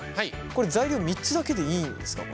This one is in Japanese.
これ材料３つだけでいいんですか？